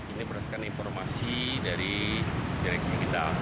ini berdasarkan informasi dari direksi kita